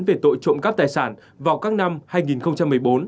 về tội trộm cắp tài sản vào các năm hai nghìn hai mươi